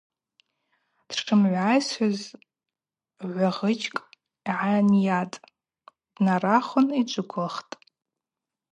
Дшымгӏвайсуаз гӏвгъычкӏ гӏайынйатӏ, днарахвын йджвыквылхтӏ.